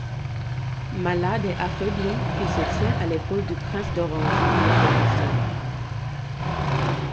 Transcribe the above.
Malade et affaibli, il se tient à l’épaule du prince d’Orange, Guillaume de Nassau.